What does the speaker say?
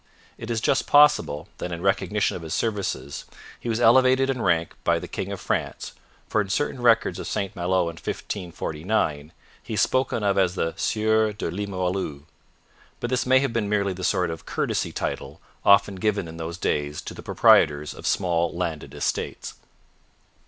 It is just possible that in recognition of his services he was elevated in rank by the king of France, for in certain records of St Malo in 1549, he is spoken of as the Sieur de Limoilou. But this may have been merely the sort of courtesy title often given in those days to the proprietors of small landed estates.